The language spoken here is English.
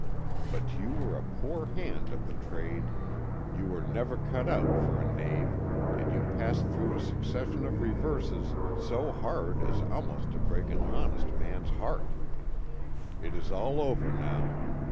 But you were a poor hand at the trade; you were never cut out for a knave, and you passed through a succession of reverses so hard as almost to break an honest man's heart. It is all over now.